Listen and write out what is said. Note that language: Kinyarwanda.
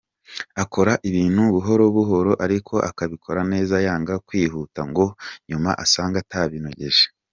Akora ibintu buhoro buhoro ariko akabikora neza yanga kwihuta ngo nyuma asange atabinogeje.